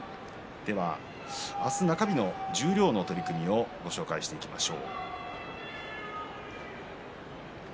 明日、中日の十両の取組をご紹介しましょう。